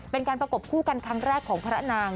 เป็นการประกบคู่กันครั้งแรกของพระนาง